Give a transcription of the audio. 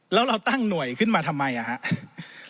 แล้วเราตั้งหน่วยขึ้นมาทำไมครับ